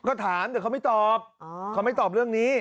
ก็ถามแต่เขาไม่ตอบเขาไม่ตอบเรื่องนี้